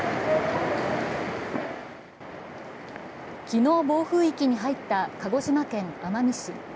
昨日、暴風域に入った鹿児島県奄美市。